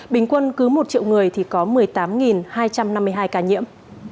bình quân cứ một triệu người thì có một mươi tám hai trăm năm mươi hai ca nhiễm